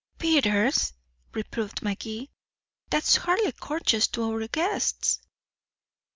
"Peters," reproved Magee. "That's hardly courteous to our guests."